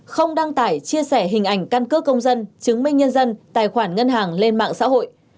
không đăng tải chia sẻ hình ảnh căn cước công dân chứng minh nhân dân tài khoản ngân hàng lên mạng xã hội